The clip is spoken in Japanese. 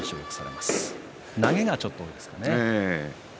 投げがちょっと多いですかね。